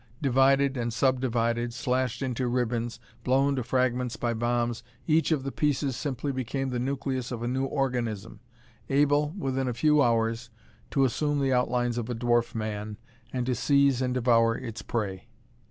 Divided and sub divided, slashed into ribbons, blown to fragments by bombs, each of the pieces simply became the nucleus of a new organism, able, within a few hours, to assume the outlines of a dwarf man, and to seize and devour its prey.